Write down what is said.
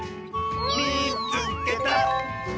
「みいつけた！」。